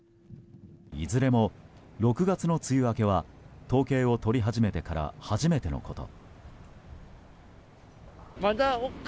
いずれも６月の梅雨明けは統計を取り始めてから初めてのこと。